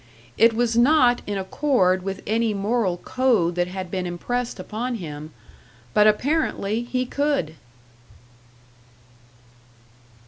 It was not in accord with any moral code that had been impressed upon him, but apparently he could!